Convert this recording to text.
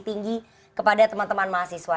tinggi kepada teman teman mahasiswa